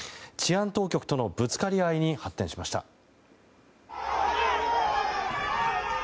治安当局とのぶつかり合いに発展しました。